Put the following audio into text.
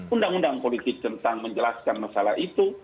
undang undang politik tentang menjelaskan masalah itu